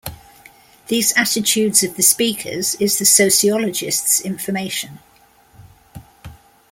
These attitudes of the speakers is the sociologist's information.